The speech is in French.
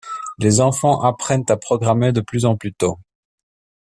Les enfants apprennent à programmer de plus en plus tôt.